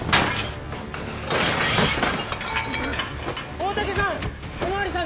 大嶽さん！